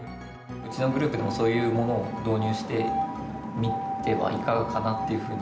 うちのグループでもそういうものを導入してみてはいかがかなっていうふうに。